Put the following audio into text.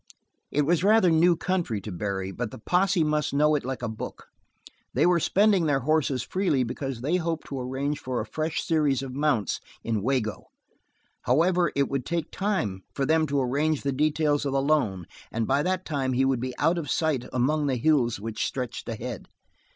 It was rather new country to Barry, but the posse must know it like a book. They were spending their horses freely because they hoped to arrange for a fresh series of mounts in Wago. However, it would take some time for them to arrange the details of the loan, and by that time he would be out of sight among the hills which stretched ahead.